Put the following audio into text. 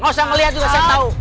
gak usah ngeliat juga saya tau